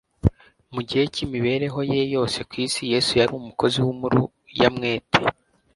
Mu gihe cy'imibereho ye yose ku isi Yesu yari umukozi w'umuruyamwete.